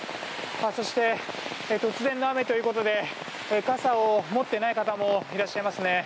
そして、突然の雨ということで傘を持っていない方もいらっしゃいますね。